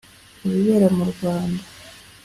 ku bibera mu rwanda!